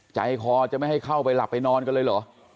ใจคอจะไม่ให้เข้าไปหลับไปนอนกันเลยเหรอ